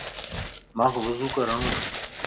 مانک وضو ڪرڻو ا.